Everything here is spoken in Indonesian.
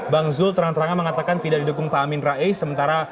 bang zul terang terang mengatakan tidak didukung pak amin ra'ih sementara